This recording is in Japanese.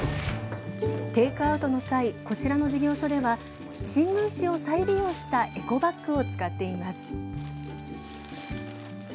テイクアウトの際こちらの事業所では新聞紙を再利用したエコバッグを使っています。